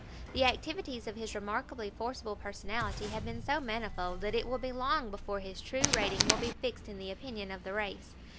The activities of his remarkably forceful personality have been so manifold that it will be long before his true rating will be fixed in the opinion of the race.